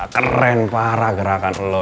keren parah gerakan lo